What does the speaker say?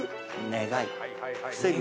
願い？